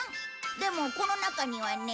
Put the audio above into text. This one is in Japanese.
でもこの中にはねえ。